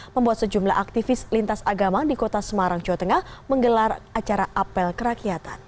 membuat sejumlah aktivis lintas agama di kota semarang jawa tengah menggelar acara apel kerakyatan